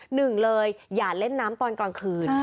หนึ่งเลยอย่าเล่นน้ำตอนกลางคืน